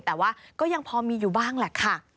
แต่ว่าก็ยังพอมีอยู่บ้างแหละค่ะ